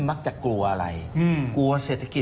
มักจะดี